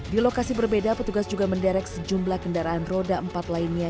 di lokasi berbeda petugas juga menderek sejumlah kendaraan roda empat lainnya